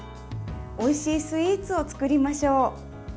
おいしいスイーツを作りましょう。